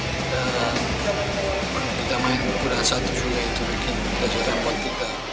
dan kita main kurang satu satu itu bikin berisulah rapor kita